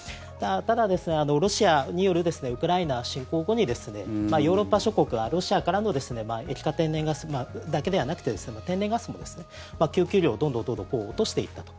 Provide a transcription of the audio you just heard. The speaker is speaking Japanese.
ただ、ロシアによるウクライナ侵攻後にヨーロッパ諸国はロシアからの液化天然ガスだけではなくて天然ガスも供給量をどんどん落としていったと。